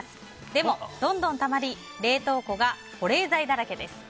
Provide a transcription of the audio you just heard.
でも、どんどんたまり冷凍庫が保冷剤だらけです。